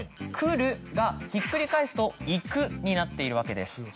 「くる」がひっくり返すと「いく」になっているわけです。